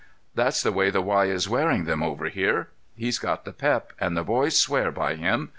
That's the way the Y is wearing them over here. He's got the pep, and the boys swear by him.